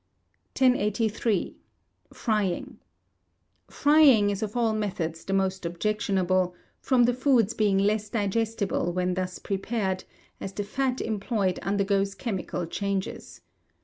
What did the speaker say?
1083. Frying. Frying is of all methods the most objectionable, from the foods being less digestible when thus prepared, as the fat employed undergoes chemical changes.